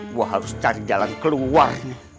gue harus cari jalan keluar